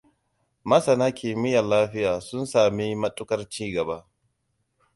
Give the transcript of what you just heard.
Masana kimiyyar lafiya sun sami matuƙar ci gaba.